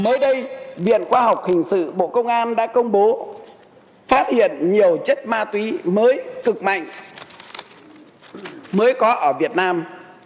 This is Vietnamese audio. mới đây viện khoa học hình sự bộ công an đã công bố phát hiện nhiều chất ma túy mới cực mạnh mới có ở việt nam